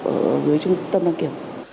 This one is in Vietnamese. ở dưới trung tâm đăng kiểm